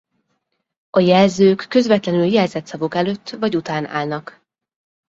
A jelzők közvetlenül jelzett szavuk előtt vagy után állnak.